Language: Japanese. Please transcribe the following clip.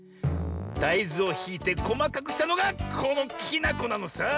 だいずをひいてこまかくしたのがこのきなこなのさ。